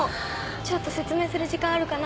ちょっと説明する時間あるかな？